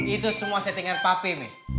itu semua settingan pape me